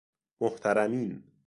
محترمین